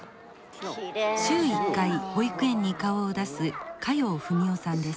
週１回保育園に顔を出す加用文男さんです。